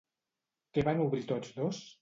Què van obrir tots dos?